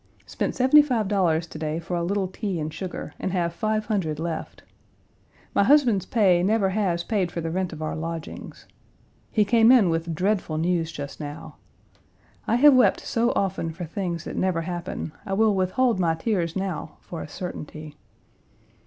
" Spent seventy five dollars to day for a little tea and sugar, and have five hundred left. My husband's pay never has paid for the rent of our lodgings. He came in with dreadful news just now. I have wept so often for things that never happened, I will withhold my tears now for a certainty.